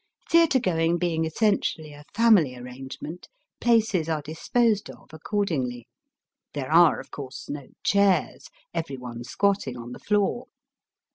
Theatre going being essentially a family arrangement places are disposed of accord ingly. There are, of course, no chairs, every one squatting on the floor.